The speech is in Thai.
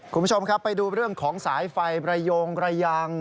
คุณผู้ชมครับไปดูเรื่องของสายไฟประโยงระยัง